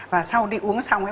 và sau đi uống xong